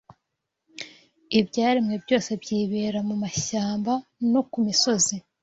Ibyaremwe byose byibera mu mashyamba no ku misozi